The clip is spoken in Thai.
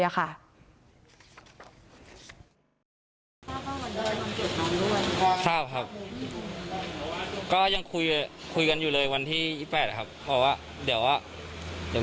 อยากให้น้องเป่าจะวันน้ำศพหรือวันเผาจะฉลองให้น้องหน่อย